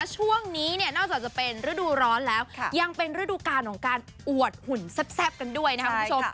ช่วงนี้เนี่ยนอกจากจะเป็นฤดูร้อนแล้วยังเป็นฤดูการของการอวดหุ่นแซ่บกันด้วยนะครับคุณผู้ชม